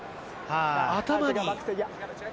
頭に。